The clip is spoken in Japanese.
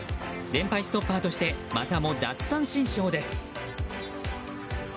連敗ストッパーとしてまたも奪三振ショーです。